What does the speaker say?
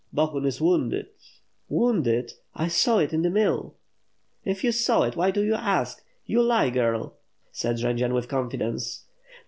"Bohun is wounded." "Wounded? I saw it in the mill." "If you saw it, why do you ask? You lie, giri!" said Jend zian, with confidence.